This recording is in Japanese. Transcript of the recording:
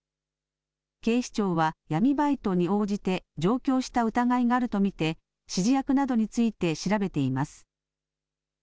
警視庁は闇バイトに応じて上京した疑いがあると見て指示役などについて調べています。